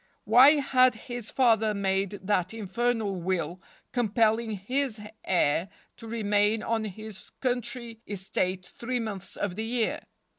Why had his father made that infernal will compelling his heir to remain on his country estate three months of the year?